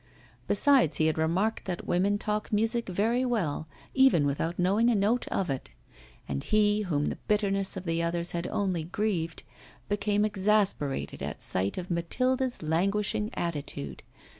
Besides, he had remarked that women talk music very well, even without knowing a note of it. And he, whom the bitterness of the others had only grieved, became exasperated at sight of Mathilde's languishing attitude.